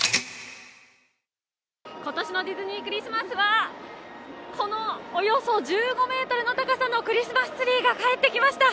今年のディズニー・クリスマスはこのおよそ１５ｍの高さのクリスマスツリーが帰ってきました。